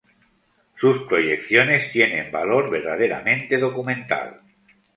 Sus proyecciones tienen valor verdaderamente documental.